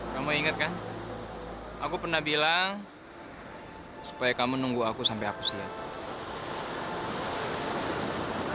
kamu ingat kan aku pernah bilang supaya kamu nunggu aku sampai aku selesai